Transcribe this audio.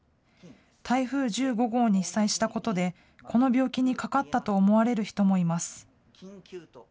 台風１５号に被災したことで、この病気にかかったと思われる人もいます。